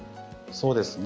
そうですね。